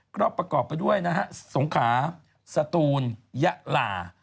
ก็ประกอบไปด้วยนะฮะสงขาสตูนยะลา